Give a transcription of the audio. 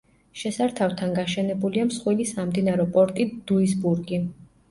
შესართავთან გაშენებულია მსხვილი სამდინარო პორტი დუისბურგი.